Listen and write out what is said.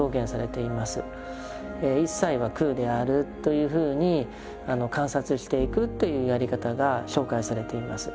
「いっさいは空である」というふうに観察していくというやり方が紹介されています。